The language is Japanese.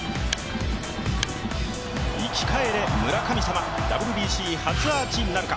生き返れ村神様、ＷＢＣ初アーチなるか。